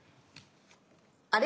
あれ？